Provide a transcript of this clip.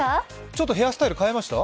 ちょっとヘアスタイル変えました？